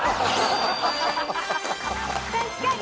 確かに。